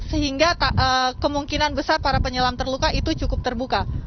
sehingga kemungkinan besar para penyelam terluka itu cukup terbuka